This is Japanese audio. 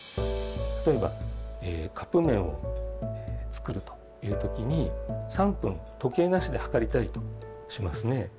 例えばカップ麺を作るという時に３分時計なしで計りたいとしますね。